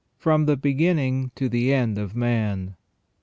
FROM THE BEGINNING TO THE END OF MAN.